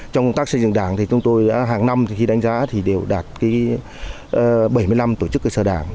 trong công tác xây dựng đảng thì chúng tôi đã hàng năm khi đánh giá thì đều đạt bảy mươi năm tổ chức cơ sở đảng